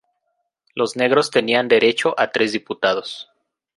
Los negros tenían derecho a tres diputados.